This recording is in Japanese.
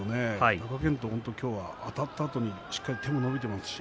貴健斗、今日は立ったあとしっかり手も伸びています。